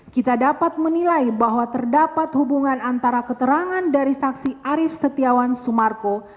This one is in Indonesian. kita dapat menilai bahwa terdapat hubungan antara keterangan dari saksi arief setiawan sumarko